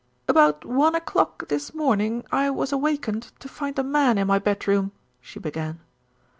"About one o'clock this morning I was awakened to find a man in my bedroom," she began.